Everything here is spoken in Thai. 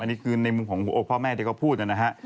อันนี้คือในมุมของหัวอกพ่อแม่ที่เขาพูดนะฮะ